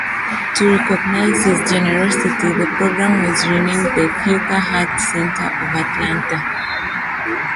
To recognize his generosity, the program was renamed the Fuqua Heart Center of Atlanta.